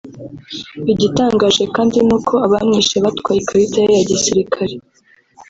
Igitangaje kandi n’uko abamwishe batwaye ikarita ye ya gisirikare